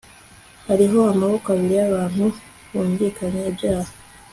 hari amoko abiri y'abantu bungikanya ibyaha